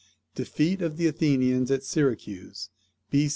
DEFEAT OF THE ATHENIANS AT SYRACUSE, B.